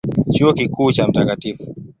Chuo Kikuu cha Mt.